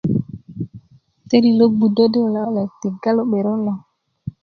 teili lo gbudö di wulek wulek tiga lo 'berön lo